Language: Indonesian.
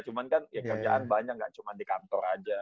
cuman kan kerjaan banyak gak cuman di kantor aja